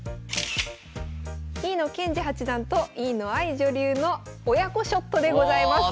飯野健二八段と飯野愛女流の親子ショットでございます。